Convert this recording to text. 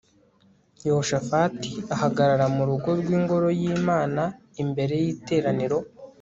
Yehoshafati ahagarara mu rugo rwingoro yImana imbere yiteraniro